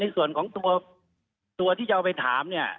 ส่วนของตัวที่จะเอาไปถามเนี่ย